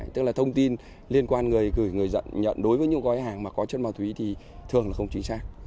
tức là thông tin liên quan người gửi người nhận đối với những gói hàng mà có chất ma túy thì thường là không chính xác